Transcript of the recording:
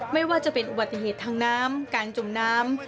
ไม่ว่าจะเป็นอุบัติเหตุทางน้ำการจมน้ำ